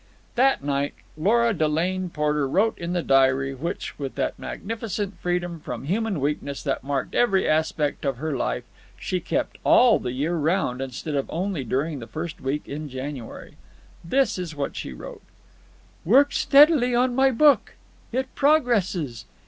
That night Lora Delane Porter wrote in the diary which, with that magnificent freedom from human weakness that marked every aspect of her life, she kept all the year round instead of only during the first week in January. This is what she wrote: "Worked steadily on my book. It progresses.